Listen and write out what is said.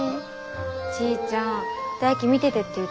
ちぃちゃん大喜見ててって言ったでしょ？